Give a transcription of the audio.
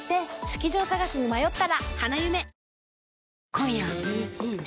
今夜はん